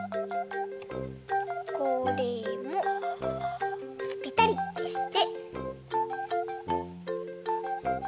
これもぺたりってして。